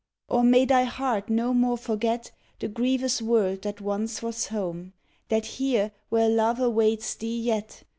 Or may thy heart no more forget The grievous world that once was home, That here, where love awaits thee yet.